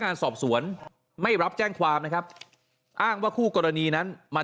งานสอบสวนไม่รับแจ้งความนะครับอ้างว่าคู่กรณีนั้นมา